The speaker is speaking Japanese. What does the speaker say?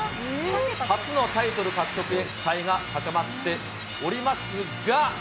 初のタイトル獲得へ期待が高まっておりますが。